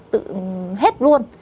tự hết luôn